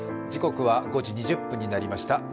時刻は５時２０分になりました。